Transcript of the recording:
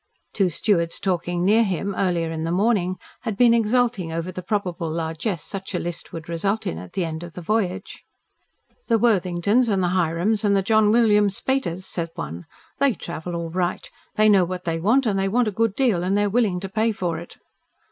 Two stewards talking near him, earlier in the morning, had been exulting over the probable largesse such a list would result in at the end of the passage. "The Worthingtons and the Hirams and the John William Spayters," said one. "They travel all right. They know what they want and they want a good deal, and they're willing to pay for it."